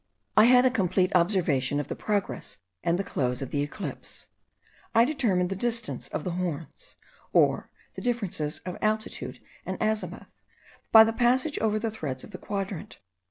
I had a complete observation of the progress and the close of the eclipse. I determined the distance of the horns, or the differences of altitude and azimuth, by the passage over the threads of the quadrant.